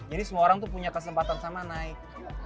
jadi semua orang tuh punya kesempatan sama naik